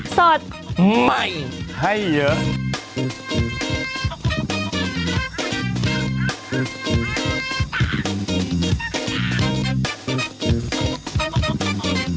สดใหม่ให้เยอะ